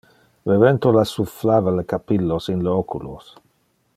Le vento la sufflava le capillos in le oculos.